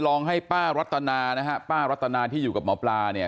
เจอไข้